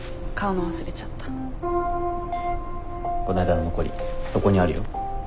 こないだの残りそこにあるよ。